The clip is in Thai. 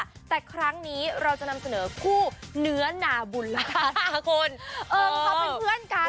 แต่ครั้งนี้เราจะนำเสนอคู่เนื้อนาบุญล่ะค่ะคุณเออเขาเป็นเพื่อนกัน